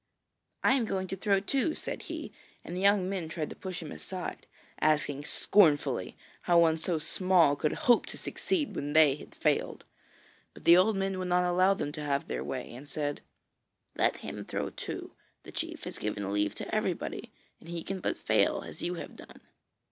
'I am going to throw, too,' said he, and the young men tried to push him aside, asking scornfully how one so small could hope to succeed when they had failed. But the old men would not allow them to have their way, and said: 'Let him throw, too; the chief has given leave to everybody, and he can but fail as you have done.